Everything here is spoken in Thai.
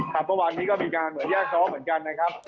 ถัดประวัตินี้ก็มีอาการแยกซ้อมเหมือนกันนะครับ